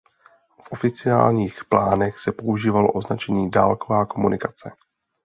V oficiálních plánech se používalo označení "dálková komunikace".